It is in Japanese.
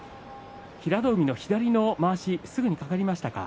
平戸海の左のまわしすぐにかかりましたか？